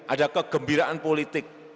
ada kegembiraan politik